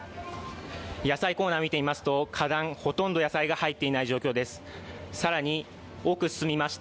野菜コーナーを見てみますと下段、ほとんど野菜が入っていない状態になっています。